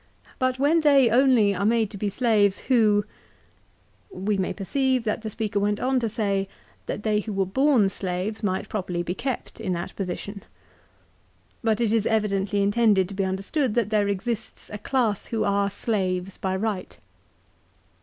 But when they only are made to be slaves who ." We may perceive that the speaker went on to say that they who were born slaves might properly be kept in that position. But it is evidently intended to be understood that there exists a class who are slaves by right.